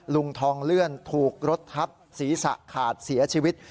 ลุงทองเลื่อนถูกรถทับศีรษะขาดเสียชีวิต